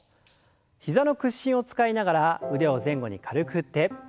膝の屈伸を使いながら腕を前後に軽く振って。